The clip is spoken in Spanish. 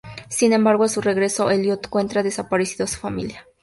Sin embargo, a su regreso Eliot encuentra desaparecida a su familia.